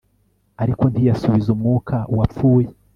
ariko ntiyasubiza umwuka uwapfuye